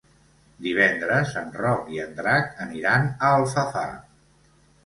Divendres en Roc i en Drac aniran a Alfafar.